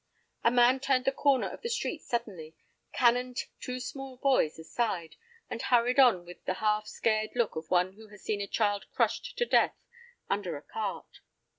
A man turned the corner of the street suddenly, cannoned two small boys aside, and hurried on with the half scared look of one who has seen a child crushed to death under a cart.